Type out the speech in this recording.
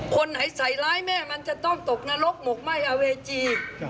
คนไหนใส่ร้ายแม่มันจะต้องตกนรกหมกไหม้อาเวจี